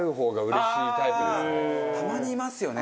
たまにいますよね